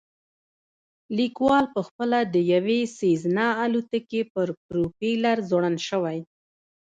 لیکوال پخپله د یوې سیزنا الوتکې په پروپیلر ځوړند شوی